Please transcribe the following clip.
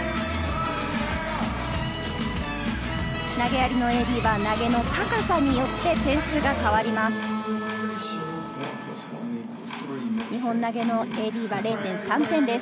投げ上げのＡＤ、投げの高さによって点数が変わります。